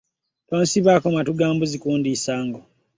Tonsibaako matu ga mbuzi kundiisa ngo.